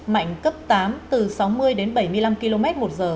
mạnh cấp tám từ sáu mươi đến bảy mươi năm km một giờ